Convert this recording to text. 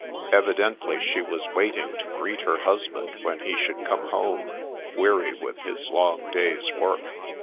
Evidently she was waiting to greet her husband when he should come home, weary with his long day's work.